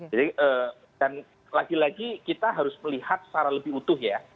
jadi dan lagi lagi kita harus melihat secara lebih utuh ya